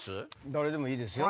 誰でもいいですよ。